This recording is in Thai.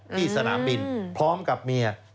ที่สนามบินพร้อมกับเมีย